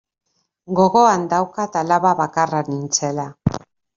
Gogoan daukat alaba bakarra nintzela.